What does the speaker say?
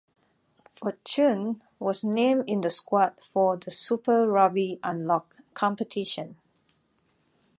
Fortuin was named in the squad for the Super Rugby Unlocked competition.